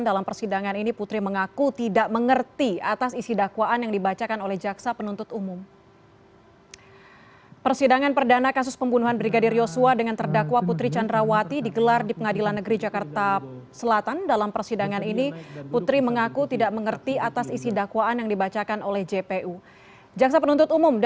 dalam persidangan ini putri mengaku tidak mengerti atas isi dakwaan yang dibacakan oleh jaksa penuntut umum